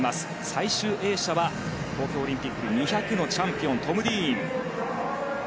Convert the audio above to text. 最終泳者は、東京オリンピック２００のチャンピオントム・ディーン。